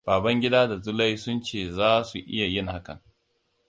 Babangida da Zulai sun ce za su iya yin hakan.